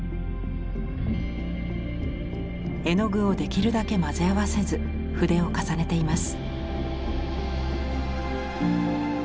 絵の具をできるだけ混ぜ合わせず筆を重ねています。